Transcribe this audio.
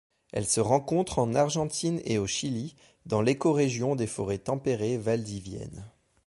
Elle se rencontre en Argentine et au Chili, dans l'écorégion des forêts tempérées valdiviennes.